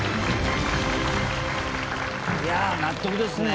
いや納得ですね